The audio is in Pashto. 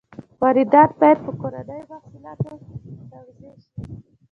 واردات باید په کورنیو محصولاتو تعویض شي.